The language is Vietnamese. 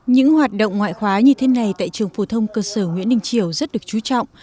những hoạt động ngoại khóa như thế này tại trường phổ thông cơ sở nguyễn đình triều rất được chú trọng